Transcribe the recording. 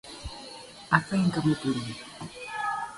Apa yang kamu beli?